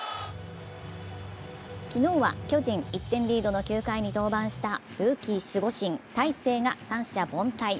昨日は、巨人１点リードの９回に登板したルーキー守護神・大勢が三者凡退。